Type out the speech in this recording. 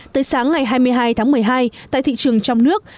tới sáng ngày hai mươi hai tháng một mươi hai tại thị trường trong nước